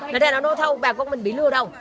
đây là nó nô thâu bà con mình bị lừa đồng